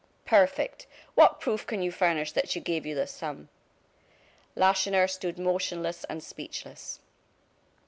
"Perfect! What proof can you furnish that she gave you this sum?" Lacheneur stood motionless and speechless.